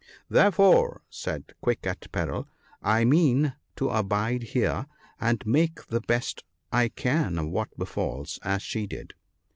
' Therefore/ said Quick at peril, ' I mean to abide here, and make the best I can of what befalls, as she did.'